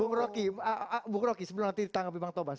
bung roky bung roky sebelum nanti ditanggapi bang tobas